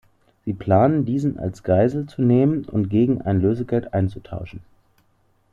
Sie planen diesen als Geisel zu nehmen und gegen ein Lösegeld einzutauschen.